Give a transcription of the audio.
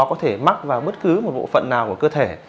có thể mắc vào bất cứ một bộ phận nào của cơ thể